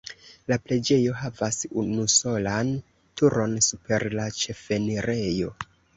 La preĝejo havas unusolan turon super la ĉefenirejo.